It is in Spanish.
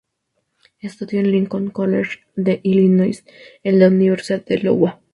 Estudió en el Lincoln College de Illinois y en la Universidad de Iowa.